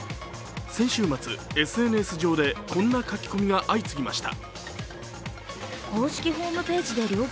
先週末、ＳＮＳ上でこんな書き込みが相次ぎました。